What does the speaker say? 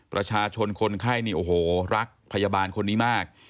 ประชาชนคนไข้นี่โอ้โหรักพยาบาลคนนี้มาก